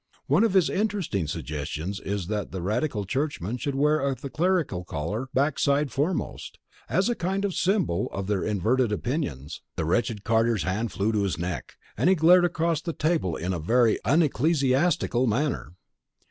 One of his interesting suggestions is that radical churchmen should wear the clerical collar back side foremost, as a kind of symbol of their inverted opinions." The wretched Carter's hand flew to his neck, and he glared across the table in a very unecclesiastical manner.